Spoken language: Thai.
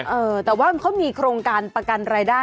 เออแต่ว่าเขามีโครงการประกันรายได้